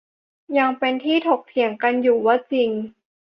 ยังเป็นที่ถกเถียงกันอยู่ว่าจริง